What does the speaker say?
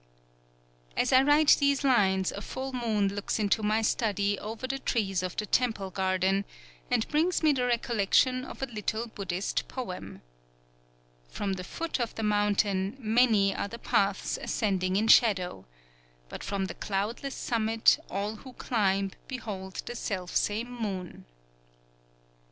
As I write these lines a full moon looks into my study over the trees of the temple garden, and brings me the recollection of a little Buddhist poem: "_From the foot of the mountain, many are the paths ascending in shadow; but from the cloudless summit all who climb behold the self same Moon.